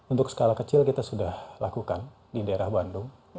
untuk skala kecil kita sudah lakukan di daerah bandung